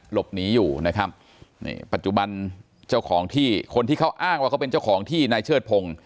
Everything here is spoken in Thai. หลบหนีอยู่นะครับนี่ปัจจุบันเจ้าของที่คนที่เขาอ้างว่าเขาเป็นเจ้าของที่นายเชิดพงศ์